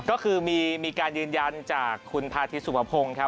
ก็คือมีการยืนยันจากคุณพาธิสุภพงศ์ครับ